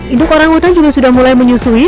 induk orangutan juga sudah mulai menyusui